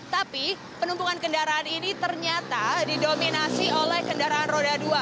tapi penumpukan kendaraan ini ternyata didominasi oleh kendaraan roda dua